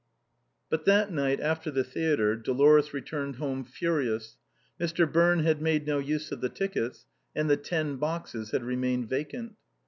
But that night after the theatre she returned home furious. Mr. Birne had made no use of the tickets, and the ten boxes had remained vacant.